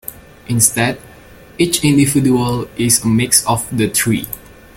Instead, each individual is a mix of the three.